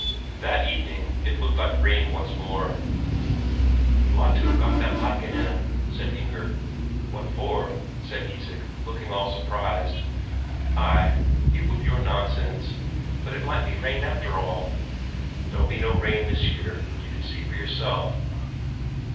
That evening it looked like rain once more. "You ought to have got that lichen in," said Inger. "What for?" said Isak, looking all surprised. "Ay, you with your nonsense but it might be rain after all." "There'll be no rain this year, you can see for yourself."